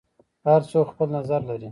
هر څوک خپل نظر لري.